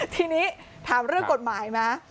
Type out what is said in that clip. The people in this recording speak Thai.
ทีนี้ถามเรื่องกฎหมายไหม